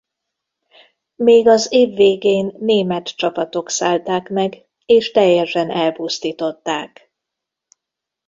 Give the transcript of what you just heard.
Még az év végén német csapatok szállták meg és teljesen elpusztították.